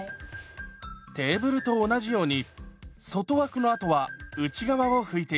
テーブルと同じように外枠のあとは内側を拭いていきます。